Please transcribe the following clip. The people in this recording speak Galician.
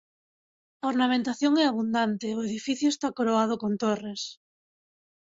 A ornamentación é abundante e o edificio está coroado con torres.